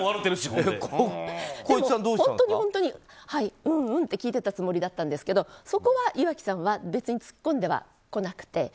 滉一さんはうんうんって聞いてたつもりだったんですけどそこは岩城さんは別に突っ込んでは来なくて。